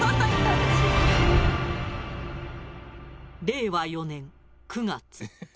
令和４年９月。